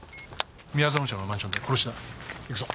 宮園町のマンションで殺しだ。